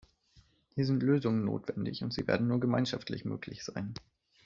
Hier sind Lösungen notwendig, und sie werden nur gemeinschaftlich möglich sein.